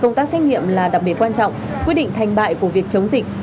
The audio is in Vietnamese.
công tác xét nghiệm là đặc biệt quan trọng quyết định thành bại của việc chống dịch